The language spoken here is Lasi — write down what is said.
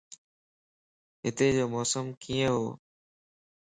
ھتي جو موسم ڪيئن ھو؟